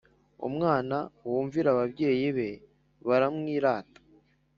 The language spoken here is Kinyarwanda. umwana wumvira ababyeyi be baramwirata